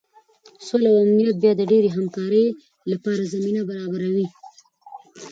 سوله او امنیت بیا د ډیرې همکارۍ لپاره زمینه برابروي.